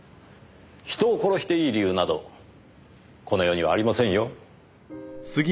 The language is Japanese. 人を殺していい理由などこの世にはありませんよ。